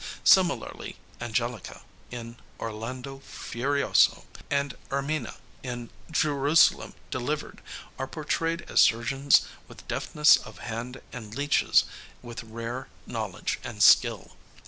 Similarly Angelica, in Orlando Furioso, and Ermina, in Jerusalem Delivered, are portrayed as surgeons with deftness of hand and leeches with rare knowledge and skill.